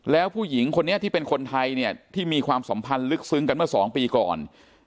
แล้วผู้หญิงคนนี้ที่เป็นคนไทยเนี่ยที่มีความสัมพันธ์ลึกซึ้งกันเมื่อ๒ปีก่อน